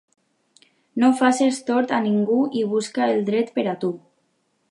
No faces tort a ningú i busca el dret per a tu.